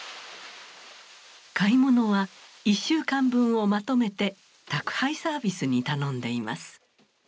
買い物は１週間分をまとめて宅配サービスに頼んでいます。